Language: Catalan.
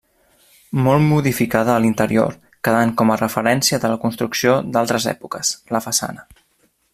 Molt modificada a l'interior, quedant, com a referència de la construcció d'altres èpoques, la façana.